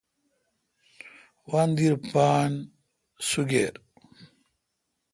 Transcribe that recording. وندیر پان سگِر۔